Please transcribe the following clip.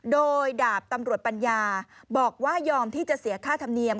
โดยดาบตำรวจปัญญาบอกว่ายอมที่จะเสียค่าธรรมเนียม